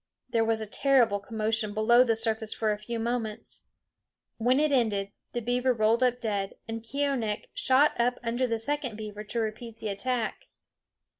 There was a terrible commotion below the surface for a few moments. When it ended the beaver rolled up dead, and Keeonekh shot up under the second beaver to repeat the attack.